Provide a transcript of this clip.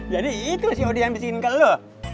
jadi itu sih yang ambisin ke lo